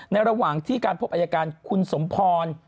ระหว่างที่การพบอายการคุณสมพร